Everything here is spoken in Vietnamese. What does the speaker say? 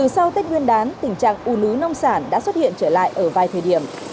sau tết nguyên đán tình trạng u nứ nông sản đã xuất hiện trở lại ở vài thời điểm